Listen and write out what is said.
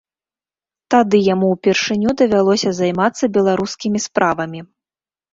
Тады яму ўпершыню давялося займацца беларускімі справамі.